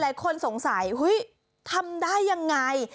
หลายคนสงสัยเฮ้ยทำได้ยังไง